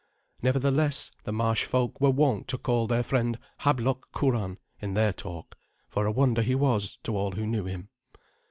Nevertheless the marsh folk were wont to call their friend "Hablok Curan" in their talk, for a wonder he was to all who knew him.